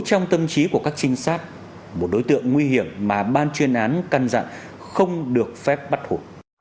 trong tâm trí của các trinh sát một đối tượng nguy hiểm mà ban chuyên án căn dặn không được phép bắt hổ